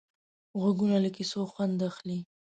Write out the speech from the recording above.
غوږونه له کیسو خوند اخلي